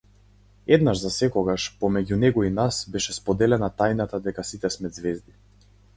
Еднаш засекогаш, помеѓу него и нас, беше споделена тајната дека сите сме ѕвезди.